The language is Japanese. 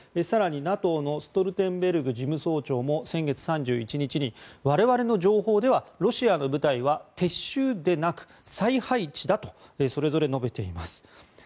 更にＮＡＴＯのストルテンベルグ事務総長も先月３１日に我々の情報ではロシアの部隊は撤収でなく再配置だとそれぞれ述べています。